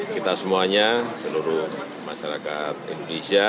kita semuanya seluruh masyarakat indonesia